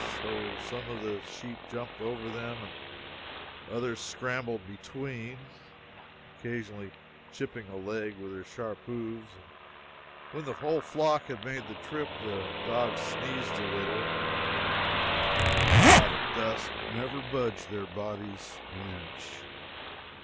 So some of the sheep jumped over them and others scrambled between, occasionally chipping a leg with their sharp hoofs, and when the whole flock had made the trip, the dogs sneezed a little, in the cloud of dust, but never budged their bodies an inch.